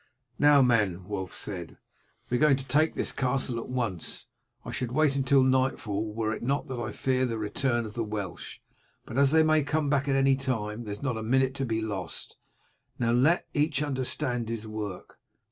"Now, men," Wulf said, "we are going to take this castle at once. I should wait until nightfall were it not that I fear the return of the Welsh, but as they may come back at any time there is not a minute to be lost. Now let each understand his work.